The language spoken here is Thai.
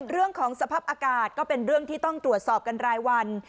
เรื่องของสภาพอากาศก็เป็นเรื่องที่ต้องตรวจสอบกันรายวัน